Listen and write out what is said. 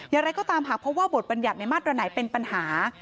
อย่างไรก็ตามหากพบว่าบทบัญญัติในมาตรไหนเป็นปัญหา